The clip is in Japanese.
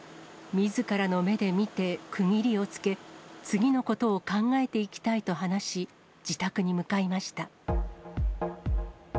みずからの目で見て区切りをつけ、次のことを考えていきたいと話し、自宅に向かいました。